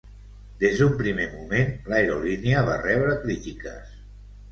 Des d'un primer moment, l'aerolínia va rebre crítiques.